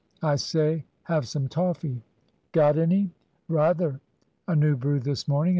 I say, have some toffee?" "Got any?" "Rather. A new brew this morning.